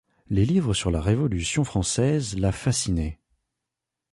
Les livres sur la Révolution française la fascinaient.